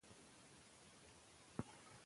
ځینو افرادو دا کار د شهرت لپاره کړی دی.